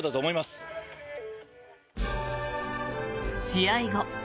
試合後